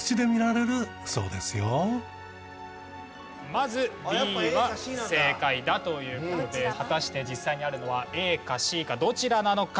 まずＢは正解だという事で果たして実際にあるのはＡかＣかどちらなのか？